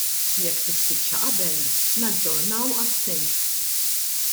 Jekk tispiċċa qabel, naġġornaw għat-Tnejn.